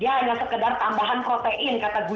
dia hanya sekedar tambahan protein kata gue